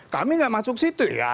kami nggak masuk situ ya